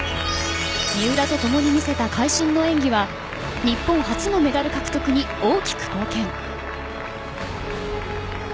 三浦とともに見せた会心の演技は日本初のメダル獲得に大きく貢献。